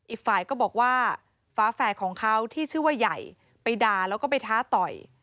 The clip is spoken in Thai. อีกฝ่ายก็บอกว่าฟ้าแฝดของเขาที่ชื่อว่าใหญ่ไปด่าแล้วก็ไปท้าต่อย